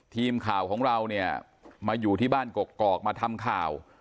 ทีมข่าวของเราเนี่ยมาอยู่ที่บ้านกกอกมาทำข่าว